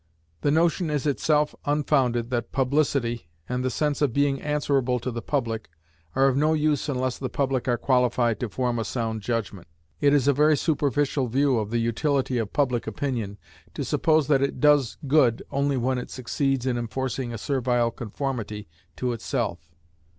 The notion is itself unfounded that publicity, and the sense of being answerable to the public, are of no use unless the public are qualified to form a sound judgment. It is a very superficial view of the utility of public opinion to suppose that it does good only when it succeeds in enforcing a servile conformity to itself.